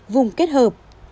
vùng kết hợp